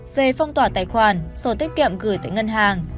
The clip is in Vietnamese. về phong tỏa tài khoản sổ tiết kiệm gửi tại ngân hàng